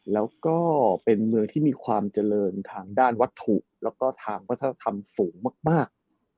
แล้วก็เป็นเมืองที่มีความเจริญทางด้านวัตถุแล้วก็ทางวัฒนธรรมสูงมาก